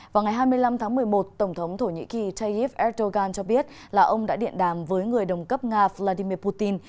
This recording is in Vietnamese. vào ngày hai mươi năm tháng một mươi một tổng thống thổ nhĩ kỳ tayyip erdogan cho biết là ông đã điện đàm với người đồng cấp nga vladimir putin